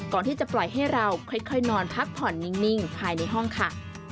ก่อนที่จะปล่อยให้เราค่อยนอนพักผ่อนนิ่งภายในห้องค่ะ